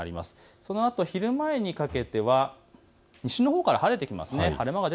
そのあと昼前にかけては西のほうから晴れてきます。